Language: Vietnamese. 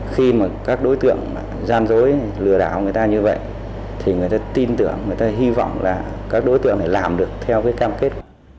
khi mà các đối tượng gian dối lừa đảo người ta như vậy thì người ta tin tưởng người ta hy vọng là các đối tượng này làm được theo cái cam kết